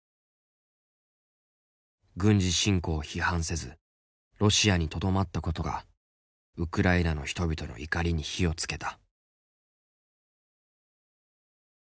軍事侵攻を批判せずロシアにとどまったことがウクライナの人々の怒りに火をつけた。